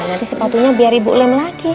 nanti sepatunya biar ibu lem lagi